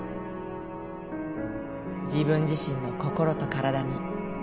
自分自身の心と体に